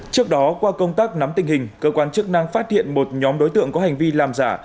trước đó qua công tác nắm tình hình cơ quan chức năng phát hiện một nhóm đối tượng có hành vi làm giả